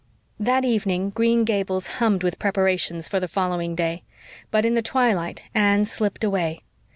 That evening Green Gables hummed with preparations for the following day; but in the twilight Anne slipped away.